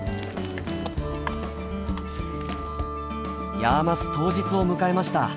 ヤーマス当日を迎えました。